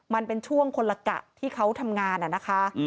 มันเป็นช่วงคนละกะที่เขาทำงานนะคะ